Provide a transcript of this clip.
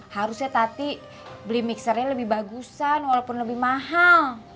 harusnya tati beli mixernya lebih bagusan walaupun lebih mahal